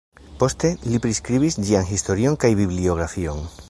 Poste li priskribis ĝian historion kaj bibliografion.